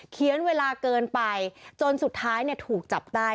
เวลาเกินไปจนสุดท้ายถูกจับได้